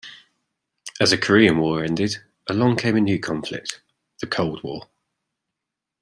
As the Korean War ended, along came a new conflict - the Cold War.